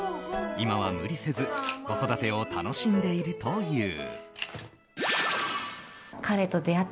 今は無理せず子育てを楽しんでいるという。